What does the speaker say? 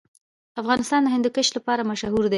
افغانستان د هندوکش لپاره مشهور دی.